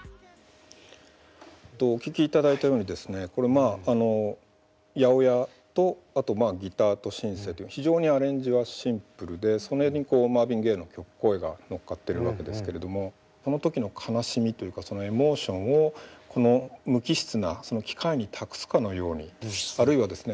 あの８０８とあとまあギターとシンセという非常にアレンジはシンプルでそれにこうマーヴィン・ゲイの声が乗っかってるわけですけれどもその時の悲しみというかそのエモーションをこの無機質な機械に託すかのようにあるいはですね